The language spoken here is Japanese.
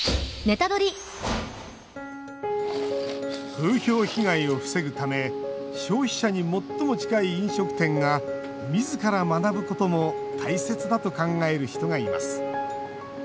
風評被害を防ぐため消費者に最も近い飲食店がみずから学ぶことも大切だと考える人がいます。